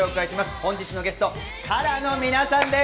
本日のゲスト、ＫＡＲＡの皆さんです！